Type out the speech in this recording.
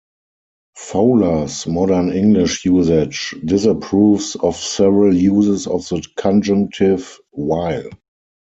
"Fowler's Modern English Usage" disapproves of several uses of the conjunctive "while".